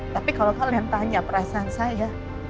tapi kalau kalian tanya perasaan saya